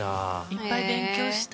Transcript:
いっぱい勉強した。